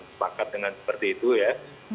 sepakat dengan seperti itu ya